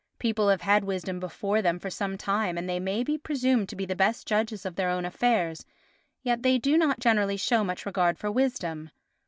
People have had wisdom before them for some time, and they may be presumed to be the best judges of their own affairs, yet they do not generally show much regard for wisdom.